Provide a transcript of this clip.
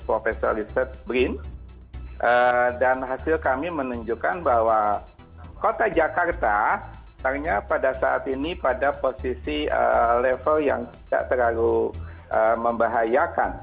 prof edi saya ingin mengucapkan bahwa kota jakarta pada saat ini pada posisi level yang tidak terlalu membahayakan